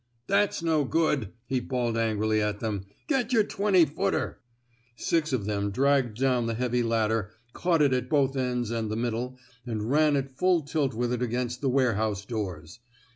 " That's no good,'* he bawled angrily at them. *' Get yer twenty footer! '* Six of them dragged down the heavy lad der, caught it at both ends and the middle, and ran at full tilt with it against the warehouse doors.